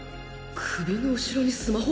首の後ろにスマホ！？